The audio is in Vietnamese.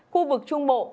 khu vực trung bộ